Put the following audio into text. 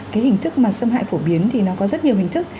cái hình thức mà xâm hại phổ biến thì nó có rất nhiều hình thức